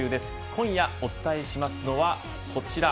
今夜お伝えしますのはこちら